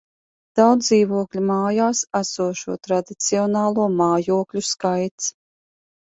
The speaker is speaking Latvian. Daudzdzīvokļu mājās esošo tradicionālo mājokļu skaits